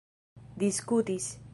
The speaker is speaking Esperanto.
diskutis